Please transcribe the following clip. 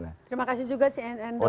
terima kasih juga si endo